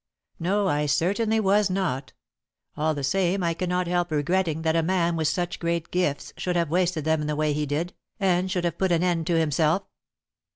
"No. I certainly was not. All the same I cannot help regretting that a man with such great gifts should have wasted them in the way he did, and should have put an end to himself."